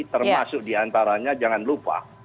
termasuk diantaranya jangan lupa